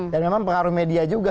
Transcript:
dan memang pengaruh media juga